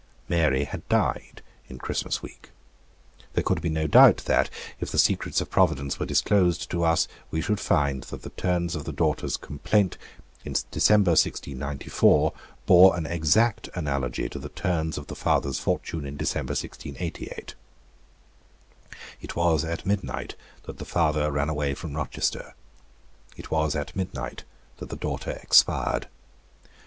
Mary had died in Christmas week. There could be no doubt that, if the secrets of Providence were disclosed to us, we should find that the turns of the daughter's complaint in December 1694 bore an exact analogy to the turns of the father's fortune in December 1688. It was at midnight that the father ran away from Rochester; it was at midnight that the daughter expired.